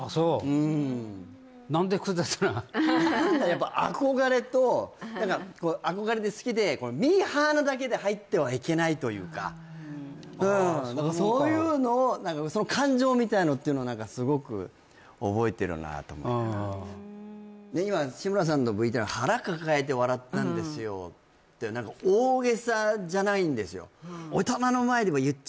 うーん何かやっぱり憧れと何か憧れて好きでミーハーなだけで入ってはいけないというかああそういうもんかうーん何かそういうのをその感情みたいなのっていうのすごく覚えてるなと思いながらで今志村さんのＶＴＲ「腹抱えて笑ったんですよ」って大袈裟じゃないんですよ